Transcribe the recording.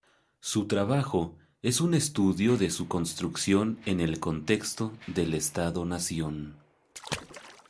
Su trabajo es un estudio de su construcción en el contexto del estado nación.